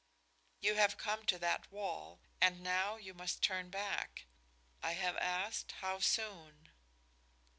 You have come to that wall, and now you must turn back. I have asked, how soon?"